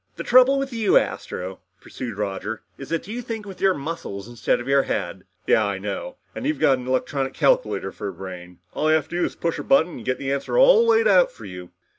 "The trouble with you, Astro," pursued Roger, "is that you think with your muscles instead of your head." "Yeah, I know. And you've got an electronic calculator for a brain. All you have to do is push a button and you get the answers all laid out for you."